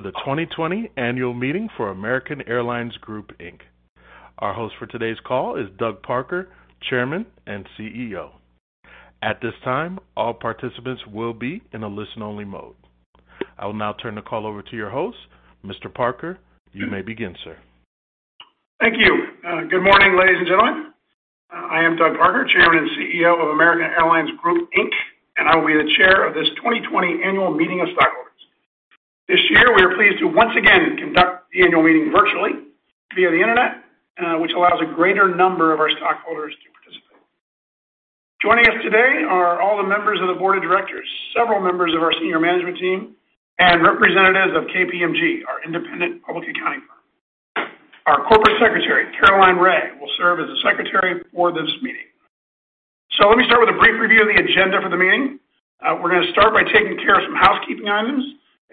Welcome to the 2020 annual meeting for American Airlines Group, Inc. Our host for today's call is Doug Parker, Chairman and CEO. At this time, all participants will be in a listen-only mode. I will now turn the call over to your host. Mr. Parker, you may begin, sir. Thank you. Good morning, ladies and gentlemen. I am Doug Parker, Chairman and CEO of American Airlines Group, Inc., and I will be the chair of this 2020 annual meeting of stockholders. This year, we are pleased to once again conduct the annual meeting virtually via the internet, which allows a greater number of our stockholders to participate. Joining us today are all the members of the board of directors, several members of our senior management team, and representatives of KPMG, our independent public accounting firm. Our corporate secretary, Caroline Ray, will serve as the secretary for this meeting. Let me start with a brief review of the agenda for the meeting. We're going to start by taking care of some housekeeping items,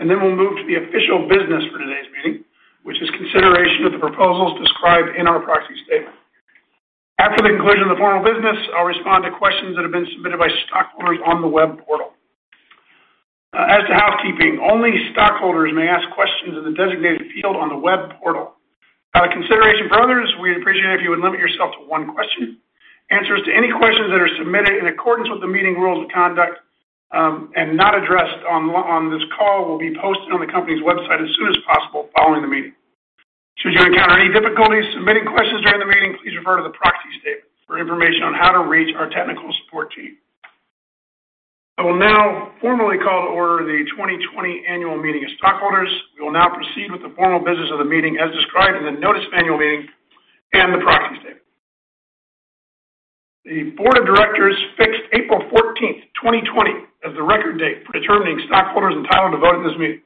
then we'll move to the official business for today's meeting, which is consideration of the proposals described in our proxy statement. After the conclusion of the formal business, I'll respond to questions that have been submitted by stockholders on the web portal. As to housekeeping, only stockholders may ask questions in the designated field on the web portal. Out of consideration for others, we'd appreciate it if you would limit yourself to one question. Answers to any questions that are submitted in accordance with the meeting rules of conduct, and not addressed on this call will be posted on the company's website as soon as possible following the meeting. Should you encounter any difficulties submitting questions during the meeting, please refer to the proxy statement for information on how to reach our technical support team. I will now formally call to order the 2020 annual meeting of stockholders. We will now proceed with the formal business of the meeting as described in the notice of annual meeting and the proxy statement. The board of directors fixed April 14th, 2020, as the record date for determining stockholders entitled to vote in this meeting.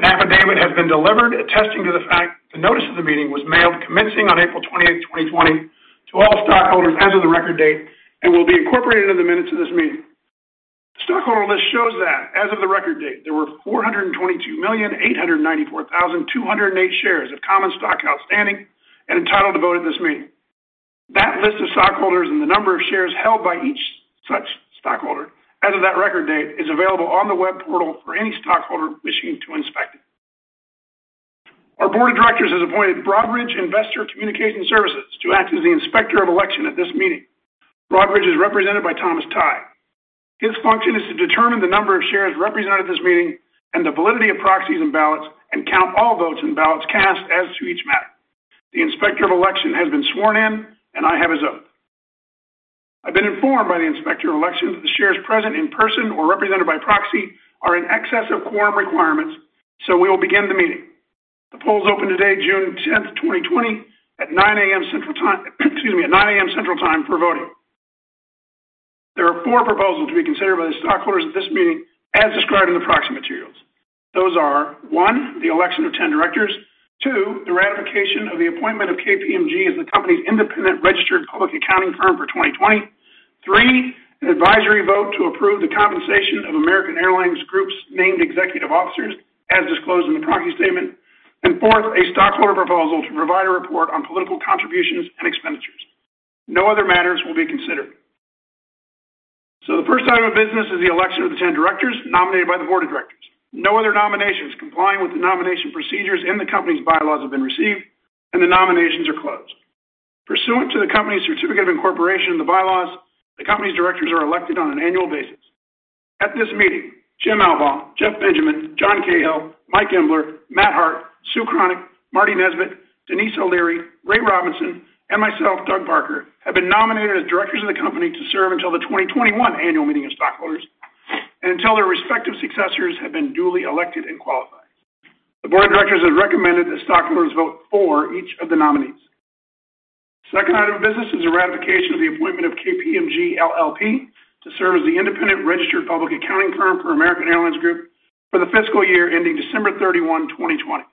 An affidavit has been delivered attesting to the fact the notice of the meeting was mailed commencing on April 28th, 2020, to all stockholders as of the record date and will be incorporated in the minutes of this meeting. The stockholder list shows that as of the record date, there were 422,894,208 shares of common stock outstanding and entitled to vote at this meeting. That list of stockholders and the number of shares held by each such stockholder as of that record date is available on the web portal for any stockholder wishing to inspect it. Our board of directors has appointed Broadridge Investor Communication Services to act as the inspector of election at this meeting. Broadridge is represented by Thomas Tighe. His function is to determine the number of shares represented at this meeting and the validity of proxies and ballots and count all votes and ballots cast as to each matter. The inspector of election has been sworn in, and I have his oath. I've been informed by the inspector of election that the shares present in person or represented by proxy are in excess of quorum requirements, so we will begin the meeting. The poll is open today, June 10th, 2020, at 9:00 A.M. Central Time for voting. There are four proposals to be considered by the stockholders at this meeting as described in the proxy materials. Those are, one, the election of 10 directors, two, the ratification of the appointment of KPMG as the company's independent registered public accounting firm for 2020, three, an advisory vote to approve the compensation of American Airlines Group's named executive officers as disclosed in the proxy statement, and fourth, a stockholder proposal to provide a report on political contributions and expenditures. No other matters will be considered. The first item of business is the election of the 10 directors nominated by the board of directors. No other nominations complying with the nomination procedures in the company's bylaws have been received, and the nominations are closed. Pursuant to the company's certificate of incorporation and the bylaws, the company's directors are elected on an annual basis. At this meeting, Jim Albaugh, Jeff Benjamin, John Cahill, Mike Embler, Matt Hart, Sue Kronick, Marty Nesbitt, Denise O'Leary, Ray Robinson, and myself, Doug Parker, have been nominated as directors of the company to serve until the 2021 annual meeting of stockholders and until their respective successors have been duly elected and qualified. The board of directors has recommended that stockholders vote for each of the nominees. Second item of business is the ratification of the appointment of KPMG LLP to serve as the independent registered public accounting firm for American Airlines Group for the fiscal year ending December 31, 2020.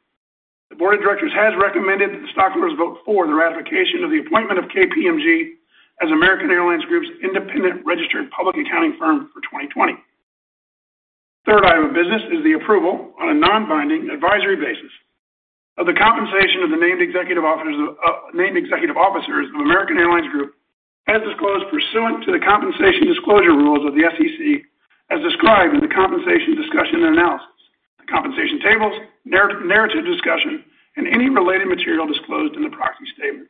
The board of directors has recommended that the stockholders vote for the ratification of the appointment of KPMG as American Airlines Group's independent registered public accounting firm for 2020. Third item of business is the approval on a non-binding advisory basis of the compensation of the named executive officers of American Airlines Group as disclosed pursuant to the compensation disclosure rules of the SEC as described in the compensation discussion and analysis, the compensation tables, narrative discussion, and any related material disclosed in the proxy statement.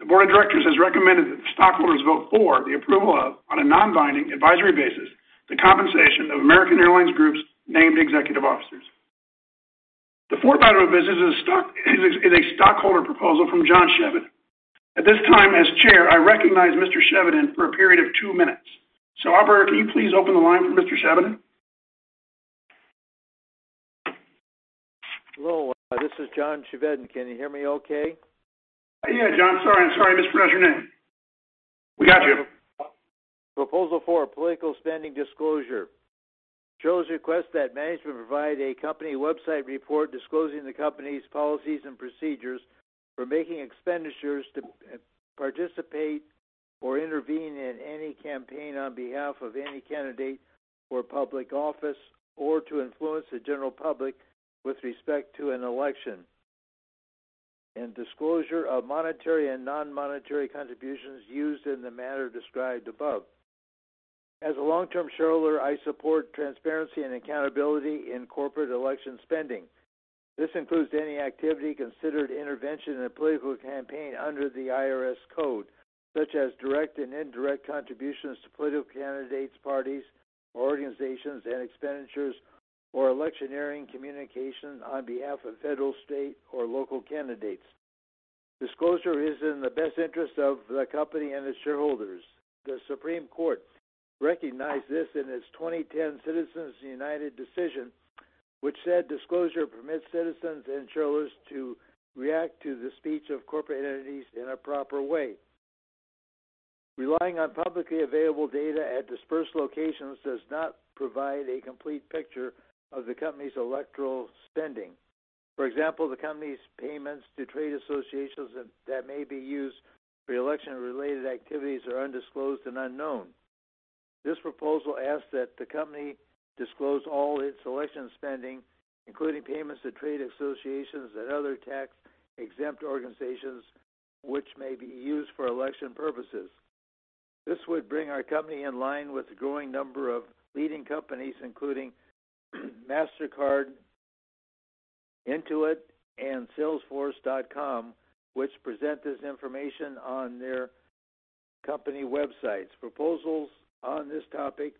The board of directors has recommended that the stockholders vote for the approval of, on a non-binding advisory basis, the compensation of American Airlines Group's named executive officers. The fourth item of business is a stockholder proposal from John Chevedden. At this time, as chair, I recognize Mr. Chevedden for a period of two minutes. Operator, can you please open the line for Mr. Chevedden? Hello, this is John Chevedden. Can you hear me okay? Yeah, John. Sorry, I mispronounced your name. We got you. Proposal 4, political spending disclosure. Shows request that management provide a company website report disclosing the company's policies and procedures for making expenditures to participate or intervene in any campaign on behalf of any candidate for public office or to influence the general public with respect to an election. Disclosure of monetary and non-monetary contributions used in the manner described above. As a long-term shareholder, I support transparency and accountability in corporate election spending. This includes any activity considered intervention in a political campaign under the IRS Code, such as direct and indirect contributions to political candidates, parties, or organizations, and expenditures or electioneering communication on behalf of federal, state, or local candidates. Disclosure is in the best interest of the company and its shareholders. The Supreme Court recognized this in its 2010 Citizens United decision, which said disclosure permits citizens and shareholders to react to the speech of corporate entities in a proper way. Relying on publicly available data at dispersed locations does not provide a complete picture of the company's electoral spending. For example, the company's payments to trade associations that may be used for election-related activities are undisclosed and unknown. This proposal asks that the company disclose all its election spending, including payments to trade associations and other tax-exempt organizations which may be used for election purposes. This would bring our company in line with the growing number of leading companies, including Mastercard, Intuit, and salesforce.com, which present this information on their company websites. Proposals on this topic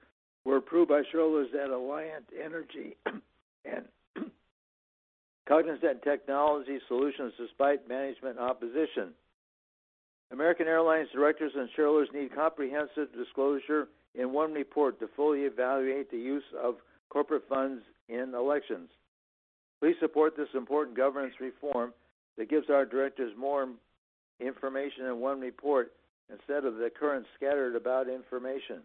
were approved by shareholders at Alliant Energy and Cognizant Technology Solutions despite management opposition. American Airlines directors and shareholders need comprehensive disclosure in one report to fully evaluate the use of corporate funds in elections. Please support this important governance reform that gives our directors more information in one report instead of the current scattered about information.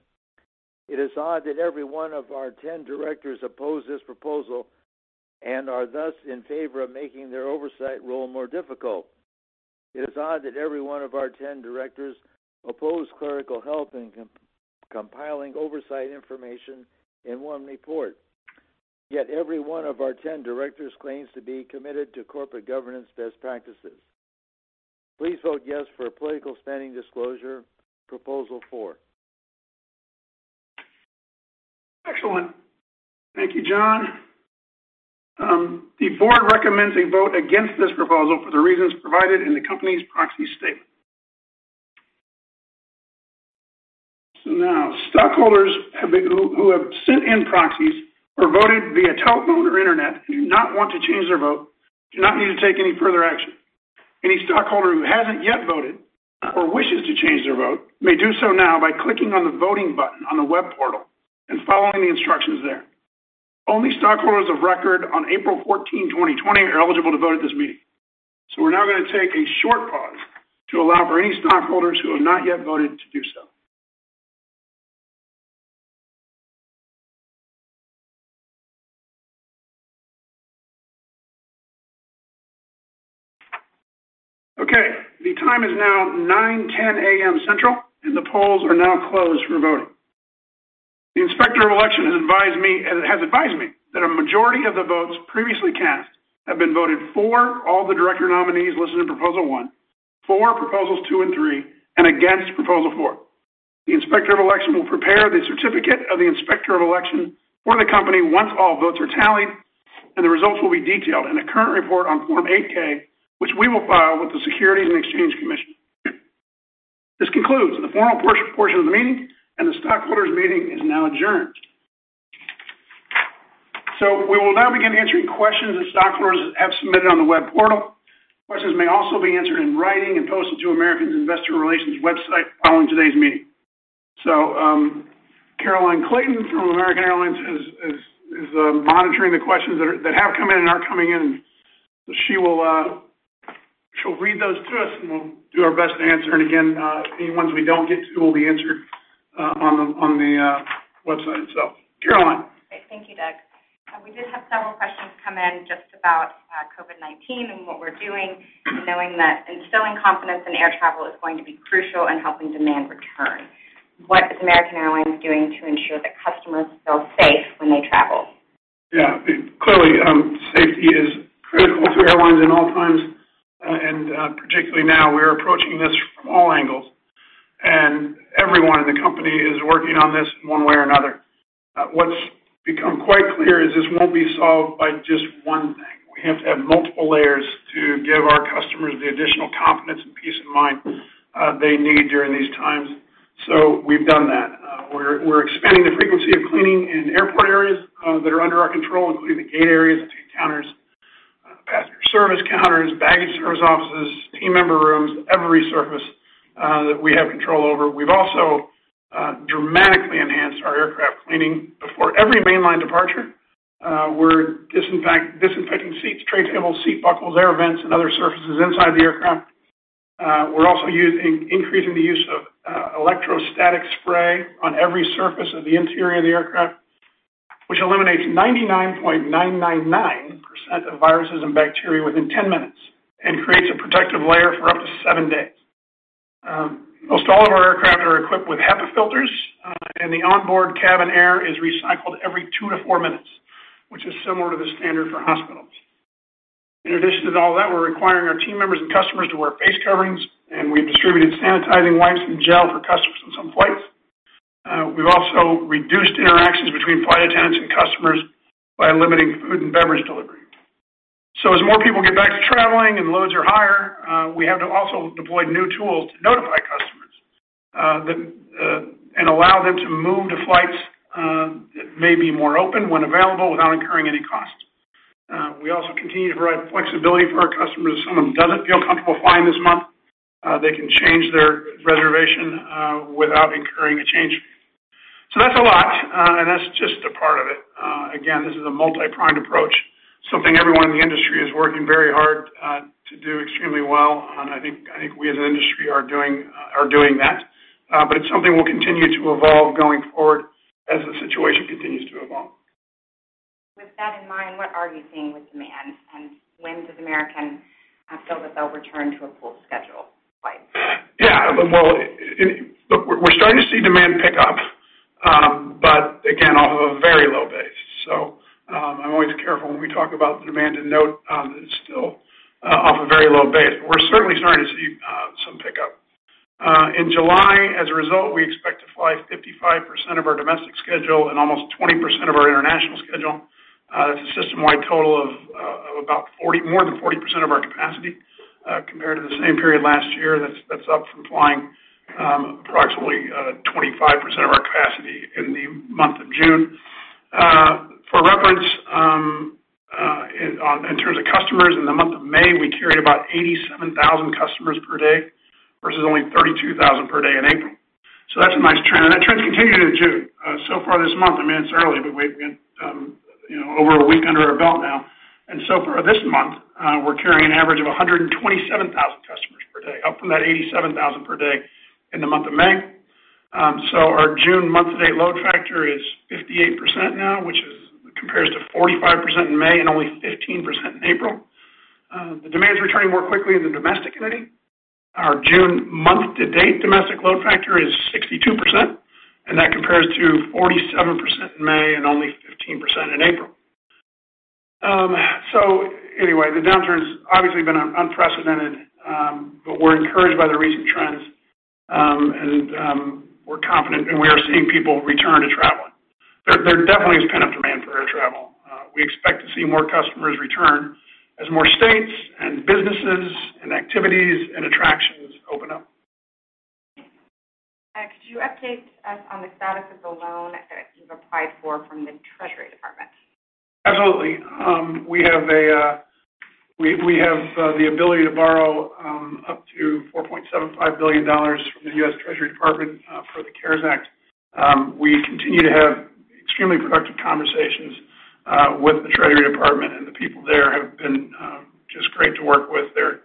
It is odd that every one of our 10 directors oppose this proposal and are thus in favor of making their oversight role more difficult. It is odd that every one of our 10 directors oppose clerical help in compiling oversight information in one report, yet every one of our 10 directors claims to be committed to corporate governance best practices. Please vote yes for political spending disclosure, proposal four. Excellent. Thank you, John. The board recommends a vote against this proposal for the reasons provided in the company's proxy statement. Stockholders who have sent in proxies or voted via telephone or internet and do not want to change their vote, do not need to take any further action. Any stockholder who hasn't yet voted or wishes to change their vote may do so now by clicking on the Voting button on the web portal and following the instructions there. Only stockholders of record on April 14, 2020, are eligible to vote at this meeting. We're now going to take a short pause to allow for any stockholders who have not yet voted to do so. Okay. The time is now 9:10 A.M. Central, the polls are now closed for voting. The Inspector of Election has advised me that a majority of the votes previously cast have been voted for all the director nominees listed in proposal one, for proposals two and three, and against proposal four. The Inspector of Election will prepare the certificate of the Inspector of Election for the company once all votes are tallied, the results will be detailed in a current report on Form 8-K, which we will file with the Securities and Exchange Commission. This concludes the formal portion of the meeting, the stockholders meeting is now adjourned. We will now begin answering questions that stockholders have submitted on the web portal. Questions may also be answered in writing and posted to American's Investor Relations website following today's meeting. Caroline Clayton from American Airlines is monitoring the questions that have come in and are coming in. She'll read those to us, and we'll do our best to answer. Again, any ones we don't get to will be answered on the website. Caroline. Great. Thank you, Doug. We did have several questions come in just about COVID-19 and what we're doing and knowing that instilling confidence in air travel is going to be crucial in helping demand return. What is American Airlines doing to ensure that customers feel safe when they travel? Yeah. Clearly, safety is critical to airlines in all times, and particularly now. We're approaching this from all angles, and everyone in the company is working on this in one way or another. What's become quite clear is this won't be solved by just one thing. We have to have multiple layers to give our customers the additional confidence and peace of mind they need during these times. We've done that. We're expanding the frequency of cleaning in airport areas that are under our control, including the gate areas, the ticket counters, passenger service counters, baggage service offices, team member rooms, every surface that we have control over. We've also dramatically enhanced our aircraft cleaning. Before every mainline departure, we're disinfecting seats, tray tables, seat buckles, air vents, and other surfaces inside the aircraft. We're also increasing the use of electrostatic spray on every surface of the interior of the aircraft, which eliminates 99.999% of viruses and bacteria within 10 minutes and creates a protective layer for up to seven days. Most all of our aircraft are equipped with HEPA filters, and the onboard cabin air is recycled every two to four minutes, which is similar to the standard for hospitals. In addition to all that, we're requiring our team members and customers to wear face coverings, and we've distributed sanitizing wipes and gel for customers on some flights. We've also reduced interactions between flight attendants and customers by limiting food and beverage delivery. As more people get back to traveling and loads are higher, we have to also deploy new tools to notify customers and allow them to move to flights that may be more open when available without incurring any cost. We also continue to provide flexibility for our customers. If some of them doesn't feel comfortable flying this month, they can change their reservation without incurring a change fee. That's a lot, and that's just a part of it. Again, this is a multi-pronged approach, something everyone in the industry is working very hard to do extremely well on. I think we, as an industry, are doing that. It's something we'll continue to evolve going forward as the situation continues to evolve. With that in mind, what are you seeing with demand, and when does American Airlines feel that they'll return to a full schedule of flights? Well, look, we're starting to see demand pick up, again, off of a very low base. I'm always careful when we talk about the demand to note that it's still off a very low base, we're certainly starting to see some pickup. In July, as a result, we expect to fly 55% of our domestic schedule and almost 20% of our international schedule. That's a system-wide total of more than 40% of our capacity. Compared to the same period last year, that's up from flying approximately 25% of our capacity in the month of June. For reference, in terms of customers, in the month of May, we carried about 87,000 customers per day versus only 32,000 per day in April. That's a nice trend, and that trend continued in June. Far this month, I mean, it's early, we've been over a week under our belt now, far this month we're carrying an average of 127,000 customers per day, up from that 87,000 per day in the month of May. Our June month-to-date load factor is 58% now, which compares to 45% in May and only 15% in April. The demand is returning more quickly in the domestic market. Our June month-to-date domestic load factor is 62%, and that compares to 47% in May and only 15% in April. Anyway, the downturn's obviously been unprecedented, we're encouraged by the recent trends. We're confident and we are seeing people return to traveling. There definitely is pent-up demand for air travel. We expect to see more customers return as more states and businesses and activities and attractions open up. Could you update us on the status of the loan that you've applied for from the Treasury Department? Absolutely. We have the ability to borrow up to $4.75 billion from the U.S. Treasury Department for the CARES Act. We continue to have extremely productive conversations with the Treasury Department. The people there have been just great to work with. They're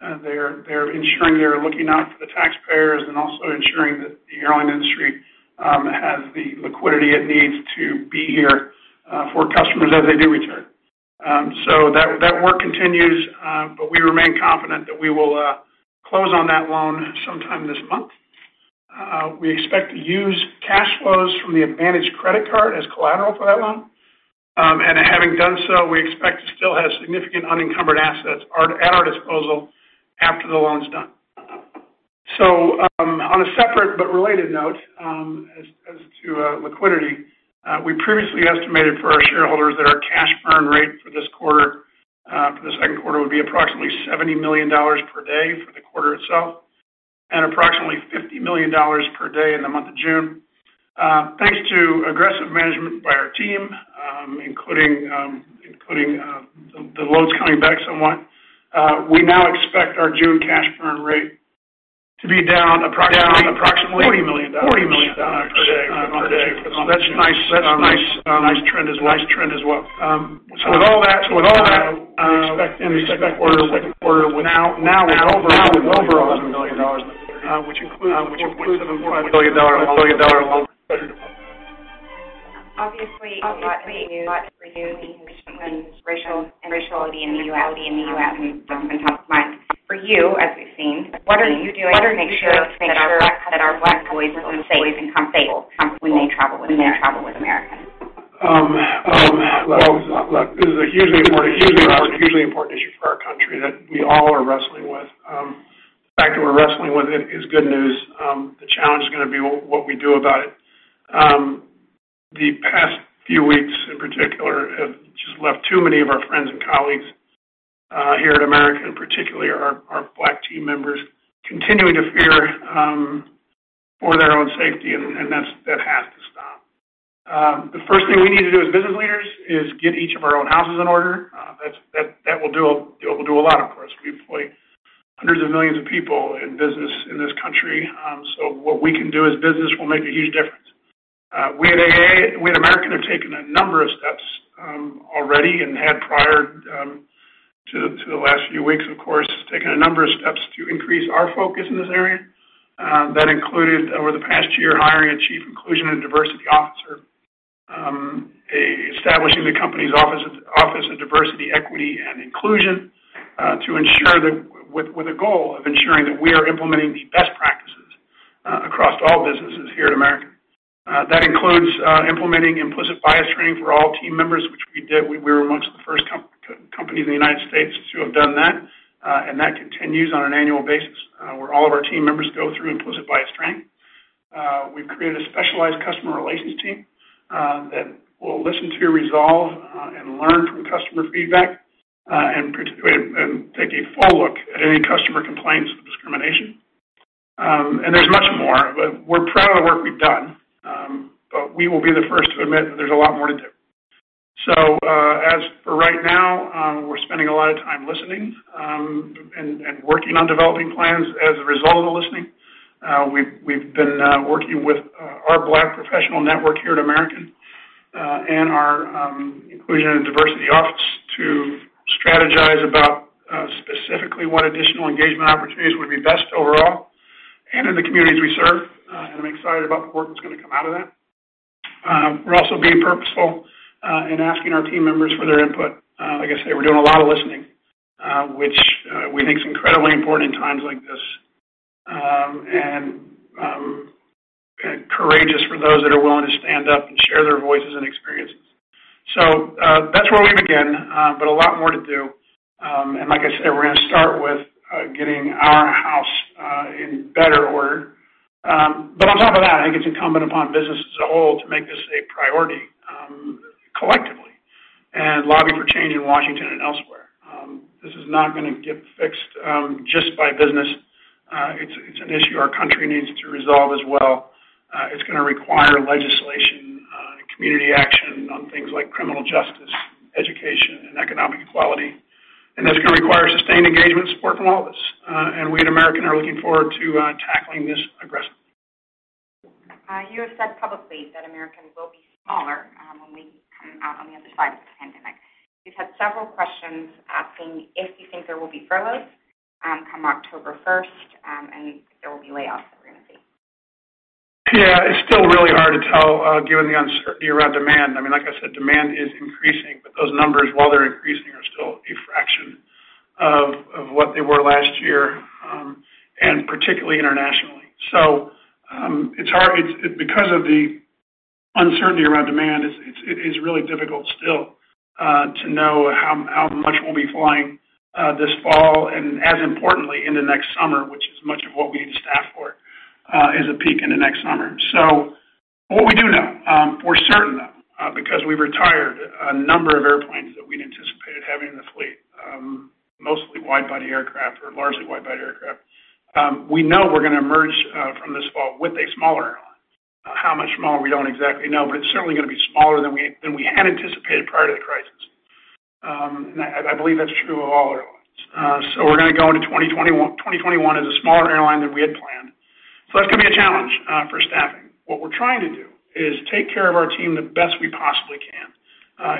ensuring they're looking out for the taxpayers and also ensuring that the airline industry has the liquidity it needs to be here for customers as they do return. That work continues, but we remain confident that we will close on that loan sometime this month. We expect to use cash flows from the AAdvantage credit card as collateral for that loan. Having done so, we expect to still have significant unencumbered assets at our disposal after the loan's done. On a separate but related note, as to liquidity, we previously estimated for our shareholders that our cash burn rate for this quarter, for the second quarter, would be approximately $70 million per day for the quarter itself and approximately $50 million per day in the month of June. Thanks to aggressive management by our team, including the loads coming back somewhat, we now expect our June cash burn rate to be down approximately $40 million per day for the month of June. That's a nice trend as well. With all that, we expect in the second quarter, now with over $11 billion in liquidity, which includes the $4.75 billion loan from the Treasury Department. Obviously, a lot in the news for you means racial inequality in the U.S. has been top of mind for you, as you've seen. What are you doing to make sure that our Black boys and girls are safe and comfortable when they travel with American? Well, look, this is a hugely important issue for our country that we all are wrestling with. The fact that we're wrestling with it is good news. The challenge is going to be what we do about it. The past few weeks, in particular, have just left too many of our friends and colleagues here at American, particularly our Black team members, continuing to fear for their own safety, and that has to stop. The first thing we need to do as business leaders is get each of our own houses in order. That will do a lot for us. We employ hundreds of millions of people in business in this country, so what we can do as business will make a huge difference. We at American have taken a number of steps already and had prior to the last few weeks, of course, taken a number of steps to increase our focus in this area. That included, over the past year, hiring a Chief Inclusion and Diversity Officer, establishing the company's Office of Diversity, Equity and Inclusion with the goal of ensuring that we are implementing the best practices across all businesses here at American. That includes implementing implicit bias training for all team members, which we did. We were amongst the first companies in the U.S. to have done that, and that continues on an annual basis, where all of our team members go through implicit bias training. We've created a specialized customer relations team that will listen to, resolve, and learn from customer feedback, and take a full look at any customer complaints of discrimination. There's much more. We're proud of the work we've done, but we will be the first to admit that there's a lot more to do. As for right now, we're spending a lot of time listening, and working on developing plans as a result of the listening. We've been working with our Black professional network here at American and our Office of Diversity, Equity and Inclusion to strategize about specifically what additional engagement opportunities would be best overall and in the communities we serve. I'm excited about the work that's going to come out of that. We're also being purposeful in asking our team members for their input. Like I said, we're doing a lot of listening, which we think is incredibly important in times like this, and courageous for those that are willing to stand up and share their voices and experiences. That's where we begin, but a lot more to do. Like I said, we're going to start with getting our house in better order. On top of that, I think it's incumbent upon business as a whole to make this a priority collectively and lobby for change in Washington and elsewhere. This is not going to get fixed just by business. It's an issue our country needs to resolve as well. It's going to require legislation, community action on things like criminal justice, education, and economic equality. That's going to require sustained engagement and support from all of us. We at American are looking forward to tackling this aggressively. You have said publicly that American will be smaller when we come out on the other side of the pandemic. We've had several questions asking if you think there will be furloughs come October 1st, and if there will be layoffs that we're going to see. It's still really hard to tell given the uncertainty around demand. Like I said, demand is increasing, but those numbers, while they're increasing, are still a fraction of what they were last year, and particularly internationally. Because of the uncertainty around demand, it is really difficult still to know how much we'll be flying this fall, and as importantly, in the next summer, which is much of what we need to staff for is a peak in the next summer. What we do know, we're certain though because we retired a number of airplanes that we'd anticipated having in the fleet, mostly wide-body aircraft or largely wide-body aircraft. We know we're going to emerge from this fall with a smaller airline. How much smaller, we don't exactly know, but it's certainly going to be smaller than we had anticipated prior to the crisis. I believe that's true of all airlines. We're going to go into 2021 as a smaller airline than we had planned. That's going to be a challenge for staffing. What we're trying to do is take care of our team the best we possibly can.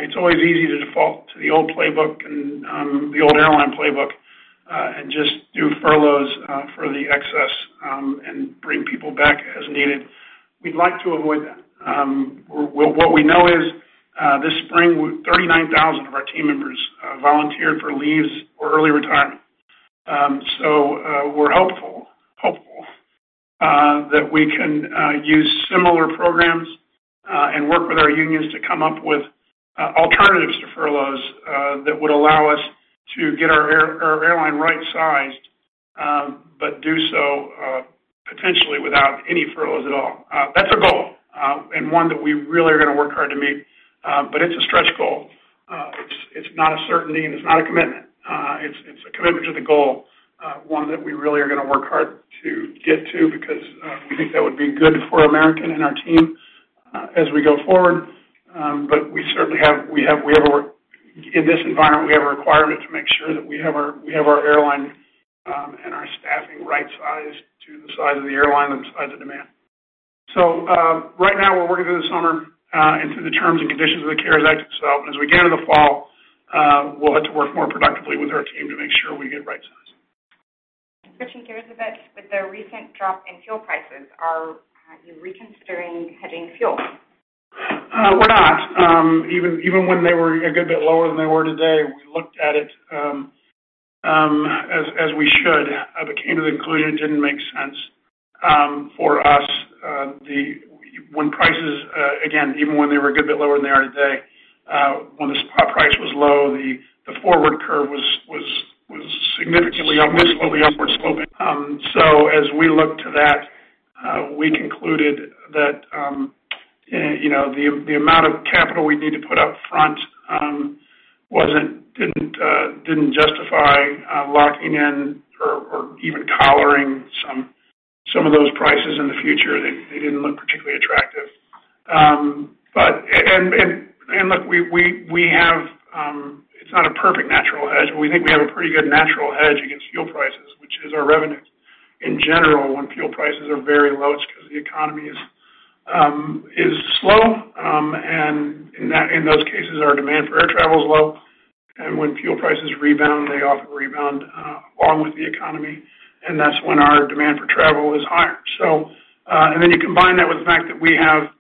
It's always easy to default to the old airline playbook and just do furloughs for the excess and bring people back as needed. We'd like to avoid that. What we know is this spring, 39,000 of our team members volunteered for leaves or early retirement. We're hopeful that we can use similar programs and work with our unions to come up with alternatives to furloughs that would allow us to get our airline right-sized, but do so potentially without any furloughs at all. That's a goal, and one that we really are going to work hard to meet, but it's a stretch goal. It's not a certainty and it's not a commitment. It's a commitment to the goal, one that we really are going to work hard to get to because we think that would be good for American and our team as we go forward. In this environment, we have a requirement to make sure that we have our airline and our staffing right-sized to the size of the airline and the size of demand. Right now, we're working through the summer and through the terms and conditions of the CARES Act itself. As we get into the fall, we'll have to work more productively with our team to make sure we get right-sized. Switching gears a bit. With the recent drop in fuel prices, are you reconsidering hedging fuel? We're not. Even when they were a good bit lower than they were today, we looked at it, as we should, but came to the conclusion it didn't make sense for us. Again, even when they were a good bit lower than they are today, when the spot price was low, the forward curve was significantly upward sloping. As we looked to that, we concluded that the amount of capital we'd need to put up front didn't justify locking in or even collaring some of those prices in the future. They didn't look particularly attractive. Look, it's not a perfect natural hedge, but we think we have a pretty good natural hedge against fuel prices, which is our revenues. In general, when fuel prices are very low, it's because the economy is slow, and in those cases, our demand for air travel is low. When fuel prices rebound, they often rebound along with the economy, and that's when our demand for travel is higher. You combine that with the fact that we have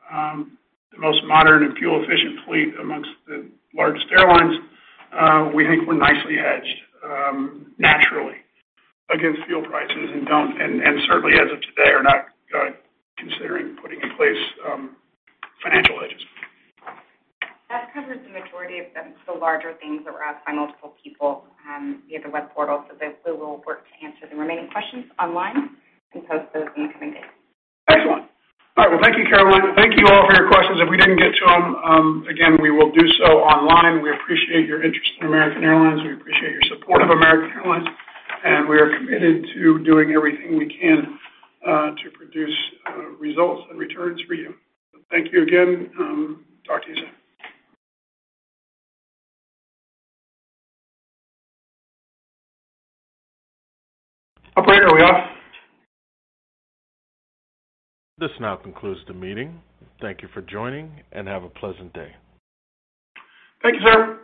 the most modern and fuel-efficient fleet amongst the largest airlines, we think we're nicely hedged naturally against fuel prices, and certainly as of today, are not considering putting in place financial hedges. That covers the majority of the larger things that were asked by multiple people via the web portal. We will work to answer the remaining questions online and post those in the coming days. Excellent. All right. Thank you, Caroline. Thank you all for your questions. If we didn't get to them, again, we will do so online. We appreciate your interest in American Airlines. We appreciate your support of American Airlines, and we are committed to doing everything we can to produce results and returns for you. Thank you again. Talk to you soon. Operator, are we off? This now concludes the meeting. Thank you for joining, and have a pleasant day. Thank you, sir.